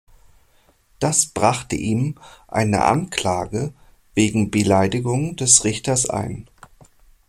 Das brachte ihm eine Anklage wegen Beleidigung des Richters ein.